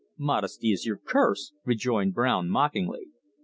"Modesty is your curse," rejoined Brown mockingly.